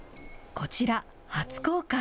こちら、初公開。